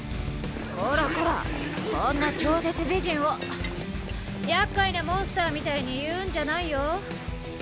こらこらこんな超絶美人を厄介なモンスターみたいに言うんじゃないよ。